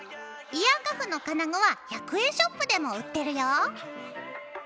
イヤーカフの金具は１００円ショップでも売ってるよ。